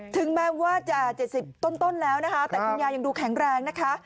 ถึงแม้ว่าจะเจ็ดสิบต้นต้นแล้วนะคะครับแต่คุณยายยังดูแข็งแรงนะคะ